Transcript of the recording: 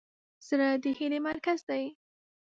زړه د هیلې مرکز دی.